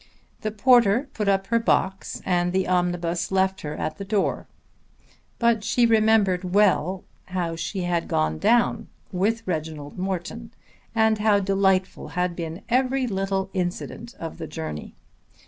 The porter put up her box and the omnibus left her at the door. But she remembered well how she had gone down with Reginald Morton, and how delightful had been every little incident of the journey.